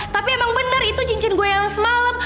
tapi emang benar itu cincin gue yang semalem